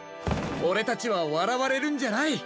オレたちはわらわれるんじゃない！